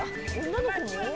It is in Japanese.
女の子も？